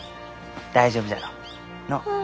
大丈夫じゃろう？